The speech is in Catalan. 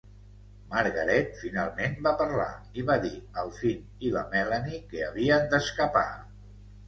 Margaret finalment va parlar i va dir al Finn i la Melanie que havien d"escapar.